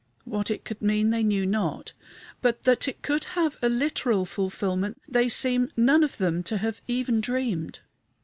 What it could mean they knew not, but that it could have a literal fulfillment they seem none of them to have even dreamed.